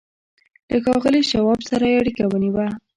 له ښاغلي شواب سره يې اړيکه ونيوه.